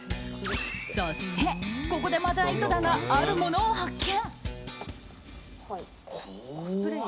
そして、ここでまた井戸田があるものを発見。